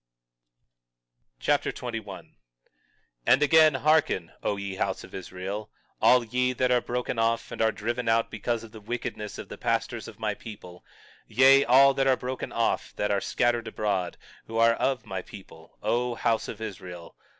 1 Nephi Chapter 21 21:1 And again: Hearken, O ye house of Israel, all ye that are broken off and are driven out because of the wickedness of the pastors of my people; yea, all ye that are broken off, that are scattered abroad, who are of my people, O house of Israel.